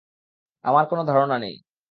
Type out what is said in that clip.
আমার কোনো ধারণা নেই!